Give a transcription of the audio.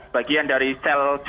bagian dari sel cad ini yang beroperasi